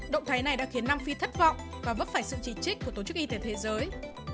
động thái này đã khiến nam phi thất vọng và vấp phải sự chỉ trích của tổ chức y tế thế giới